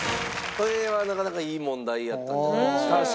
これはなかなかいい問題やったんじゃないでしょうか。